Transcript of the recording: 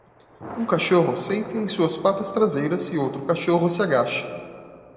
Um cachorro senta em suas patas traseiras e outro cachorro se agacha.